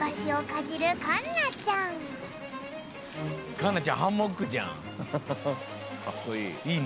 かっこいい。